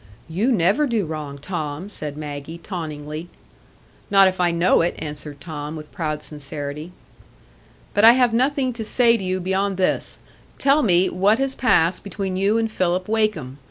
"You never do wrong, Tom," said Maggie, tauntingly. "Not if I know it," answered Tom, with proud sincerity. "But I have nothing to say to you beyond this: tell me what has passed between you and Philip Wakem.